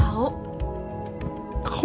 顔？